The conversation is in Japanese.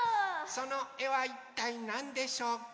そのえはいったいなんでしょうか？